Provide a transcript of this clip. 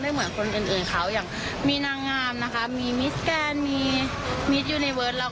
ได้ทุกอย่างเหมือนกันกับคนที่เขาหุ่นดีค่ะ